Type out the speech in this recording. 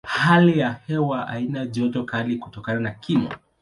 Hali ya hewa haina joto kali kutokana na kimo.